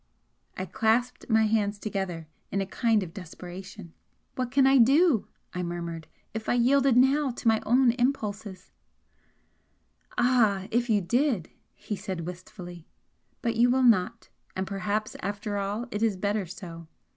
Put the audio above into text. I clasped my hands together in a kind of desperation. "What can I do?" I murmured "If I yielded now to my own impulses " "Ah! If you did" he said, wistfully "But you will not; and perhaps, after all, it is better so.